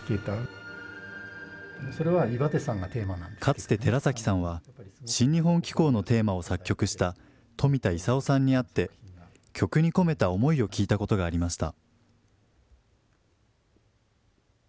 かつて寺崎さんは「新日本紀行のテーマ」を作曲した冨田勲さんに会って曲に込めた思いを聞いたことがありました。